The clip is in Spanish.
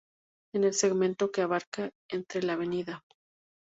En el segmento que abarca entre la Av.